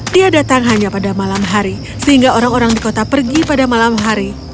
dia datang hanya pada malam hari sehingga orang orang di kota pergi pada malam hari